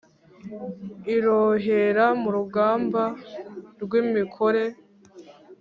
Irohera mu rugamba rw’imikore :